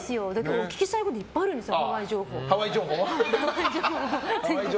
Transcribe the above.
お聞きしたいこといっぱいあるんですよ